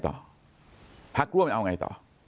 ถ้าคุณพุทธาโยะประกัดไม่ได้เอาไงต่อ